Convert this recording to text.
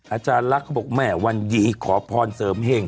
อาจารย์ลักษณ์เขาบอกแม่วันดีขอพรเสริมเห้ง